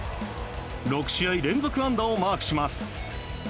６試合連続安打をマークします。